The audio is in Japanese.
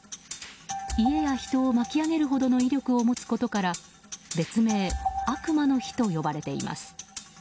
家や人を巻き上げるほどの威力を持つことから別名、悪魔の火と呼ばれています。